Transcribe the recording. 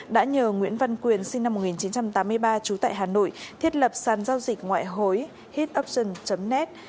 đã nhờ nguyễn văn quyền sinh năm một nghìn chín trăm tám mươi ba trú tại hà nội thiết lập sàn giao dịch ngoại hối head opson net